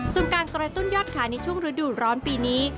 ส่วนการกระตุ้นยอดขายในช่วงฤดูร้อนปีนี้